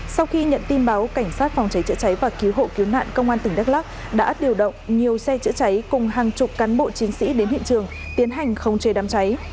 sau khi nhận tin báo cảnh sát phòng cháy chữa cháy và cứu hộ cứu nạn công an tỉnh đắk lắc đã điều động nhiều xe chữa cháy cùng hàng chục cán bộ chiến sĩ đến hiện trường tiến hành không chế đám cháy